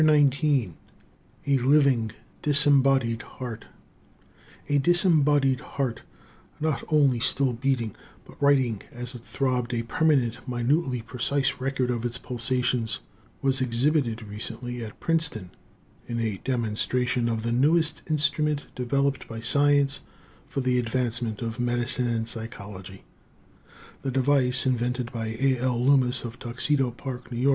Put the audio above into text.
_A LIVING, DISEMBODIED HEART A disembodied heart, not only still steadily beating but writing, as it throbbed, a permanent, minutely precise record of its pulsations, was exhibited recently at Princeton in a demonstration of the newest instrument developed by science for the advancement of medicine and psychology. The device, invented by A. L. Loomis of Tuxedo Park, N. Y.